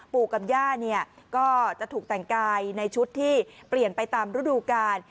ปู่กับย่าเนี่ยก็จะถูกแต่งกายในชุดที่เปลี่ยนไปตามฤดูกาล